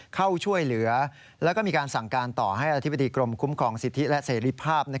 เข้าช่วยเหลือแล้วก็มีการสั่งการต่อให้อธิบดีกรมคุ้มครองสิทธิและเสรีภาพ